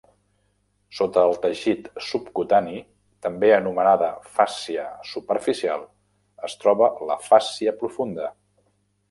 Sota el teixit subcutani, també anomenada fàscia superficial, es troba la fàscia profunda.